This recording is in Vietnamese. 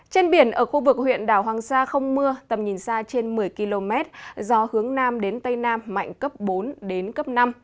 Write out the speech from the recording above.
trên biển ở khu vực huyện đảo hoàng sa không mưa tầm nhìn xa trên một mươi km gió hướng nam đến tây nam mạnh cấp bốn đến cấp năm